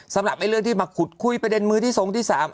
สำหรับเรื่องที่มาขุดคุยประเด็นมือที่ทรงที่๓